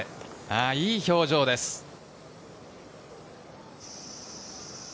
いい表情です、笹生。